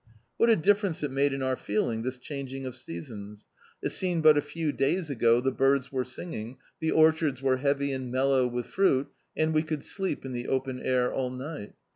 What a difference it made in our feeling, this changing of seasons! It seemed but a few days ago [6*1 D,i.,.db, Google Law in America the birds were singing, the orchards were heavy and mellow with fruit, and we could sleep in the open air all ni^t.